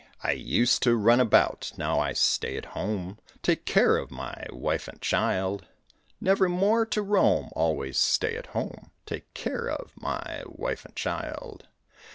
I used to run about, now I stay at home, Take care of my wife and child; Nevermore to roam, always stay at home, Take care of my wife and child.